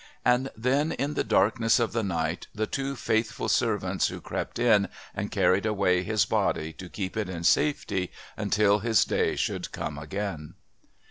And then, in the darkness of the night, the two faithful servants who crept in and carried away his body to keep it in safety until his day should come again.